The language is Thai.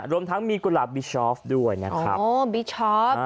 รวมทั้งมีกุหลาบบิชอฟด้วยนะครับโอ้บิชอป